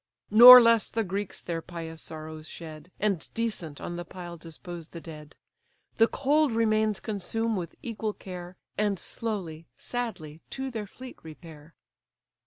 Nor less the Greeks their pious sorrows shed, And decent on the pile dispose the dead; The cold remains consume with equal care; And slowly, sadly, to their fleet repair.